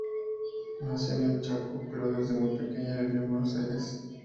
Nació en el Chaco pero desde muy pequeña vivió en Buenos Aires.